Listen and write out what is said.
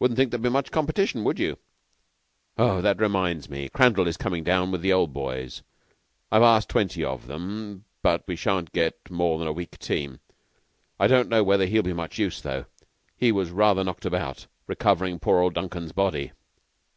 "Wouldn't think there'd be so much competition, would you?" "Oh, that reminds me. Crandall is coming down with the Old Boys I've asked twenty of them, but we shan't get more than a weak team. I don't know whether he'll be much use, though. He was rather knocked about, recovering poor old Duncan's body."